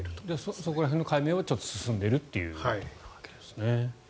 そこら辺の解明は進んでいるというわけですね。